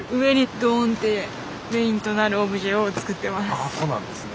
あそうなんですね。